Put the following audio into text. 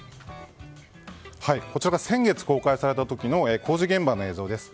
こちらが先月公開された時の工事現場の映像です。